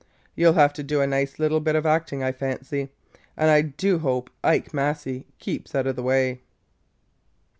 You 'll have to do a nice little bit of acting, I fancy! And I do hope Ike Massey keeps out of the way!"